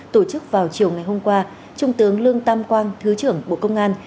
tổ chức vào chiều ngày hôm qua trung tướng lương tam quang thứ trưởng bộ công an